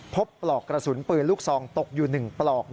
ปลอกกระสุนปืนลูกซองตกอยู่๑ปลอก